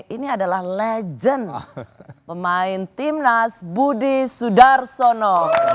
ini adalah legend pemain timnas budi sudarsono